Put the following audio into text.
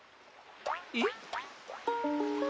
えっ？